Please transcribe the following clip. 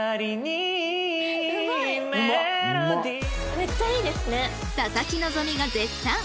めっちゃいいですね！